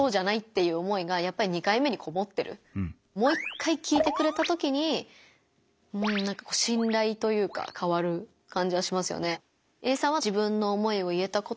でももう一回聞いてくれたときになんかしんらいというか変わる感じはしますよね。